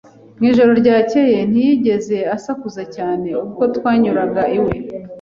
Mu ijoro ryakeye, ntiyigeze asakuza cyane ubwo twanyuraga iwe.